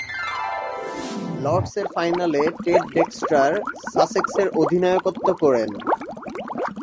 লর্ডসের ফাইনালে Ted Dexter সাসেক্সের অধিনায়কত্ব করেন।